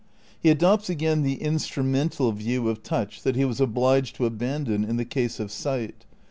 He adopts again the "instrumental" view of touch that he was obliged to abandon in the case of sight.